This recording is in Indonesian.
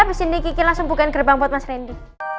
abis ini ki langsung bukain gerbang buat mas randy